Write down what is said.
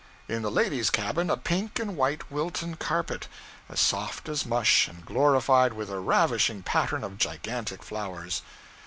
In the ladies' cabin a pink and white Wilton carpet, as soft as mush, and glorified with a ravishing pattern of gigantic flowers.